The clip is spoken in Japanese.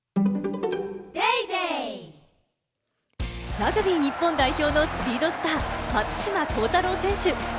ラグビー日本代表のスピードスター・松島幸太朗選手。